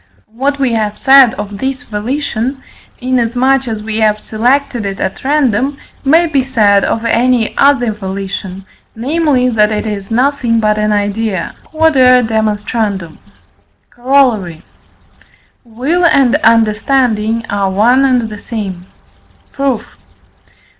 What we have said of this volition (inasmuch as we have selected it at random) may be said of any other volition, namely, that it is nothing but an idea. Q.E.D. Corollary. Will and understanding are one and the same. Proof.